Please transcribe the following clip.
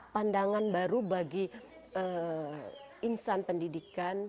pandangan baru bagi insan pendidikan